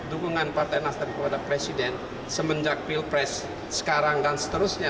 dukungan partai nasdem kepada presiden semenjak pilpres sekarang dan seterusnya